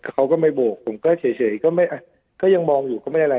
เขาก็ไม่โบกผมก็เฉยก็ยังมองอยู่ก็ไม่อะไร